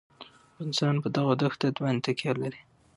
افغانستان په دغو دښتو باندې تکیه لري.